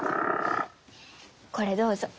これどうぞ。